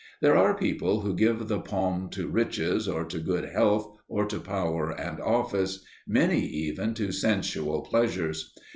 There are people who give the palm to riches or to good health, or to power and office, many even to sensual pleasures.